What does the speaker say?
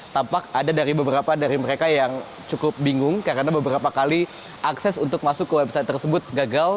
tampak ada dari beberapa dari mereka yang cukup bingung karena beberapa kali akses untuk masuk ke website tersebut gagal